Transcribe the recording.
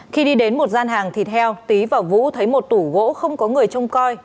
khi đi đến một gian hàng thịt heo tý và vũ thấy một tủ gỗ không có người trông coi